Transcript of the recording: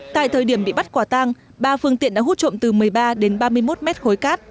tại thời điểm bị bắt quả tang ba phương tiện đã hút trộm từ một mươi ba đến ba mươi một mét khối cát